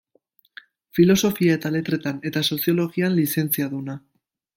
Filosofia eta Letretan eta Soziologian lizentziaduna.